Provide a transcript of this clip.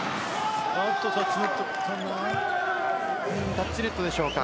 タッチネットでしょうか。